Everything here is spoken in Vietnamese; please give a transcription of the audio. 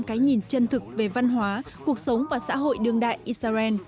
cái nhìn chân thực về văn hóa cuộc sống và xã hội đương đại israel